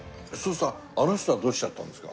あの人はどうしちゃったんですか？